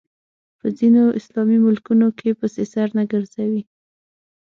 په ځینو اسلامي ملکونو کې پسې سر نه ګرځوي